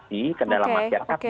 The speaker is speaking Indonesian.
pengetahuan tadi itu terinterlaksakan